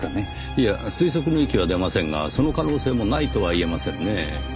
いや推測の域は出ませんがその可能性もないとは言えませんねぇ。